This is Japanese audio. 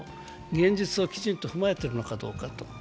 現実をきちっと踏まえているのかどうかと。